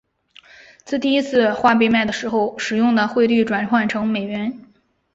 自第一次画被卖的时候使用的汇率转换成美元。